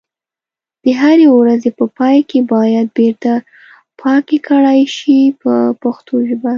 د هرې ورځې په پای کې باید بیرته پاکي کړای شي په پښتو ژبه.